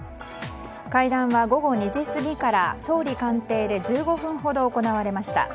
会談は午後２時過ぎから総理官邸で１５分ほど行われました。